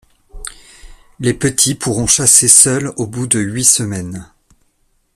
Les petits pourront chasser seul au bout de huit semaines.